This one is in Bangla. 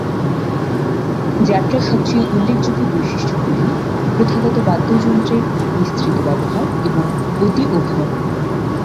যাত্রার সবচেয়ে উল্লেখযোগ্য বৈশিষ্ট্যগুলি প্রথাগত বাদ্যযন্ত্রের বিস্তৃত ব্যবহার ও অতি-অভিনব।